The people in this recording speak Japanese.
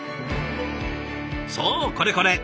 そうこれこれ。